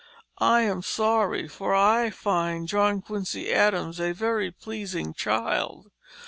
I am sorry; for I find John Quincy Adams a very pleasing child.